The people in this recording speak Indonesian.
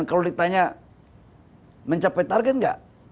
kalau ditanya mencapai target nggak